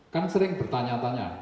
kan sering bertanya tanya